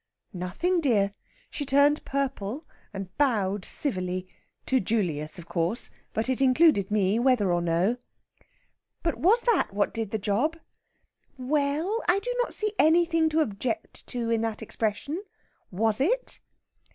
"Nothing, dear. She turned purple, and bowed civilly. To Julius, of course. But it included me, whether or no." "But was that what did the job?... We ell, I do not see anything to object to in that expression. Was it?"